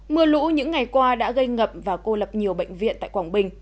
mưa lũ những ngày qua đã gây ngập và cô lập nhiều bệnh viện tại quảng bình